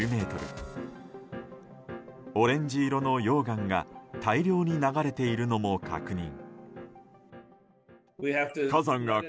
オレンジ色の溶岩が大量に流れているのも確認。